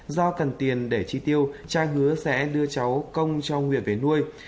do cần tiền để tri tiêu trang hứa sẽ đưa cháu công cho nguyệt về nuôi